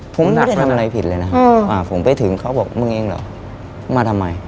ผมดักทำอะไรผิดเลยนะผมไปถึงเขาบอกมึงเองเหรอมึงมาทำไม